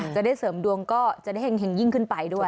จะได้เสริมดวงก็จะได้เห็งยิ่งขึ้นไปด้วย